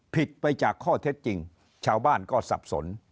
ผิดไปจากข้อเท็จจริงชาวบ้านก็สับสน